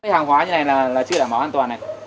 hàng hóa như này là chưa đảm bảo an toàn này